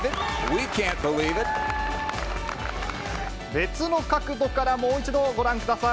別の角度からもう一度ご覧ください。